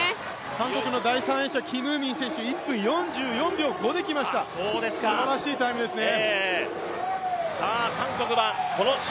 韓国の第３泳者、キム・ウミン選手、１分４４秒５できました、すばらしいタイムですね。